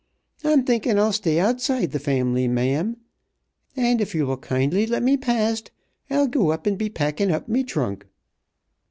I'm thinkin' I'll stay outside th' family, ma'am. An' if ye will kindly let me past, I'll go up an' be packin' up me trunk."